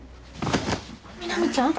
南ちゃん？